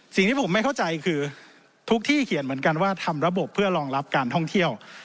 สิ่งที่ผมไม่เข้าใจคือทุกที่เขียนเหมือนกันว่าทำระบบเพื่อรองรับการท่องเที่ยว